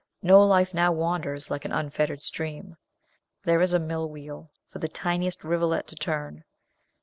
No life now wanders like an unfettered stream; there is a mill wheel for the tiniest rivulet to turn.